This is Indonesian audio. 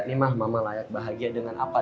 ini mah mama layak bahagia dengan apa